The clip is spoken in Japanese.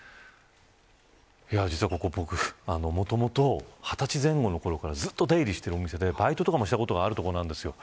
実はここ、僕もともと２０歳前後のころからずっと出入りしているお店でバイトとかもしたことがあるところなんです。